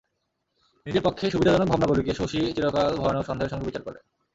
নিজের পক্ষে সুবিধাজনক ভাবনাগুলিকে শশী চিরকাল ভয়ানক সন্দেহের সঙ্গে বিচার করে।